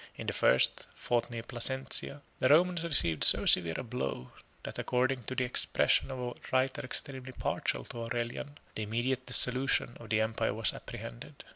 In the first, fought near Placentia, the Romans received so severe a blow, that, according to the expression of a writer extremely partial to Aurelian, the immediate dissolution of the empire was apprehended.